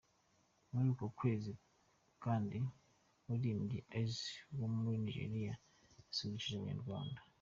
Muri uko kwezi kandi umuririmbyi Eazi wo muri Nigeria yasusurukije Abanyarwanda.